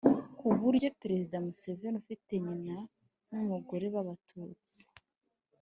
ku buryo perezida museveni ufite nyina n'umugore b'abatutsi